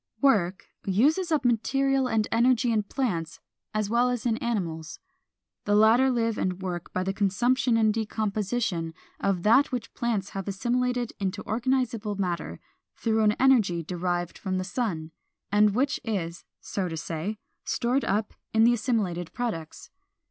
480. =Work uses up material and energy= in plants as well as in animals. The latter live and work by the consumption and decomposition of that which plants have assimilated into organizable matter through an energy derived from the sun, and which is, so to say, stored up in the assimilated products.